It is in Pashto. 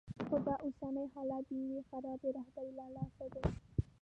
خو دا اوسنی حالت د یوې خرابې رهبرۍ له لاسه دی.